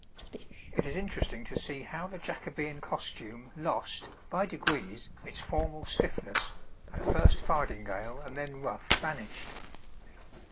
It is interesting to see how the Jacobean costume lost, by degrees, its formal stiffness, and first fardingale and then ruff vanished.